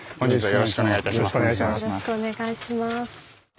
よろしくお願いします。